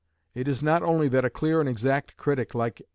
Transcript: It is not only that a clear and exact critic like M.